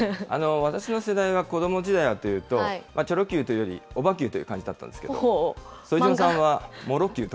私の世代は子ども時代はというと、チョロＱというよりオバＱという感じだったんですけれども、副島さんは。